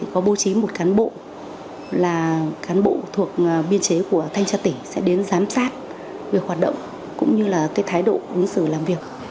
có bố trí một cán bộ là cán bộ thuộc biên chế của thanh tra tỉnh sẽ đến giám sát việc hoạt động cũng như là cái thái độ ứng xử làm việc